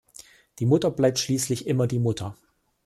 Die Mutter bleibt schließlich immer die Mutter!